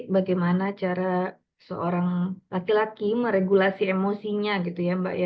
bagaimana cara seorang laki laki meregulasi emosinya gitu ya mbak ya